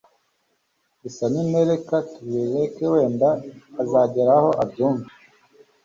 gusa nyine reka tubireke wenda azageraho abyumve